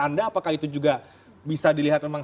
anda apakah itu juga bisa dilihat memang